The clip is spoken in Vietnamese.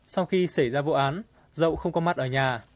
sau khi xảy ra vụ án dậu không có mặt ở nhà